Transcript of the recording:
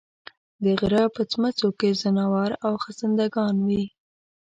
د غرۀ په څمڅو کې ځناور او خزندګان وي